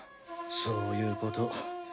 そういうこと。